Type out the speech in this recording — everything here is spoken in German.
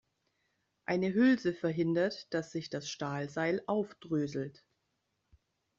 Eine Hülse verhindert, dass sich das Stahlseil aufdröselt.